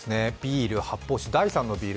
ビール、発泡酒、第３のビール。